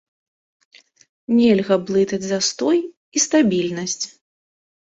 Нельга блытаць застой і стабільнасць.